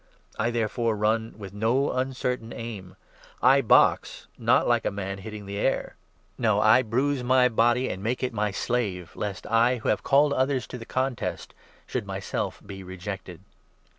I, therefore, run with no uncertain aim. I box — 26 not like a man hitting the air. No, I bruise my body and 27 • Deut. 25. 4. 320 I. CORINTHIANS, 9— 1O. make it my slave, lest I, who have called others to the contest, should myself be rejected.